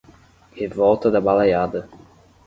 Revolta da Balaiada